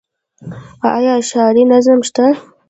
آیا ښاري نظم شته؟